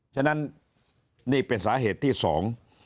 ฉะนั้นนี่เป็นสาเหตุที่สอง